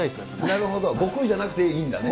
なるほど、悟空じゃなくていいんです。